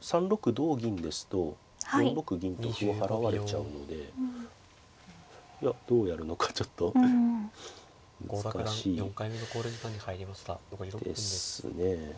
３六同銀ですと４六銀と歩を払われちゃうのでいやどうやるのかちょっと難しいですね。